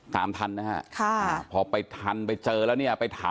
ตามทันนะฮะค่ะพอไปทันไปเจอแล้วเนี้ยไปถอมเขา